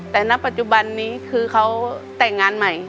แต่ณปัจจุบันนี้คือเขาแต่งงานใหม่